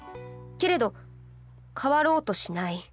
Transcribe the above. けれど変わろうとしない。